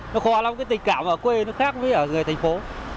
nó khó lắm cái tình cảm ở quê nó khác với ở người thành phố